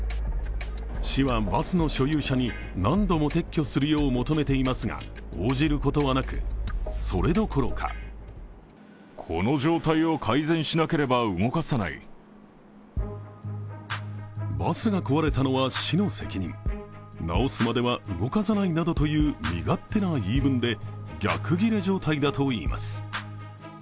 市はバスの所有者に何度も撤去するよう求めていますが応じることはなく、それどころかバスが壊れたのは市の責任、直すまでは動かさないなどという身勝手な言い分で、逆ギレ状態だといいます。